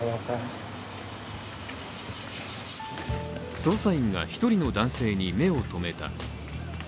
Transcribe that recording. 捜査員が１人の男性に目をとめた。